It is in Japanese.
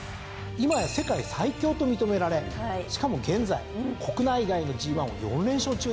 今や世界最強と認められしかも現在国内外のＧⅠを４連勝中ですからね。